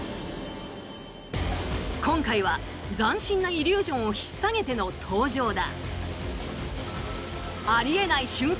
今回は斬新なイリュージョンをひっ提げての登場だ。